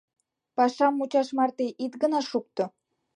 — Пашам мучаш марте ит гына шукто.